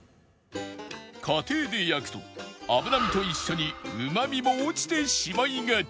家庭で焼くと脂身と一緒にうまみも落ちてしまいがち